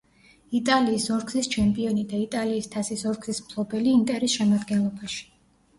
იტალიის ორგზის ჩემპიონი და იტალიის თასის ორგზის მფლობელი „ინტერის“ შემადგენლობაში.